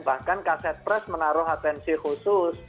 bahkan kaset pres menaruh atensi khusus